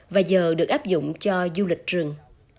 và giờ được áp dụng cho du lịch rừng